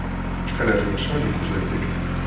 Euskal Herri osoan ikus daiteke.